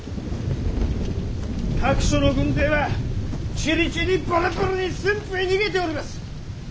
各所の軍勢はちりぢりバラバラに駿府へ逃げております。